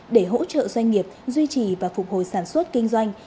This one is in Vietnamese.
để hỗ trợ doanh nghiệp duy trì và phục hồi sản xuất kinh doanh